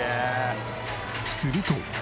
すると。